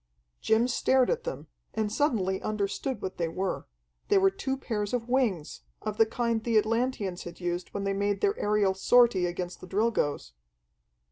Jim stared at them, and suddenly understood what they were. They were two pairs of wings, of the kind the Atlanteans had used when they made their aerial sortie against the Drilgoes.